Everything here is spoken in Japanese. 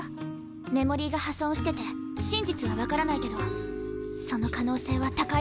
メモリーが破損してて真実は分からないけどその可能性は高いわね。